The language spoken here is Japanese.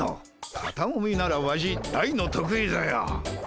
肩もみならワシ大の得意ぞよ。